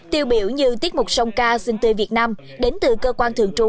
tiêu biểu như tiết mục song ca sinh tư việt nam đến từ cơ quan thường trú